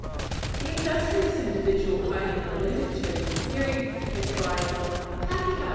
The industrious individual I have alluded to, hearing the cry of "A pakeha!